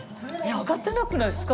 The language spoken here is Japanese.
上がってなくないですか？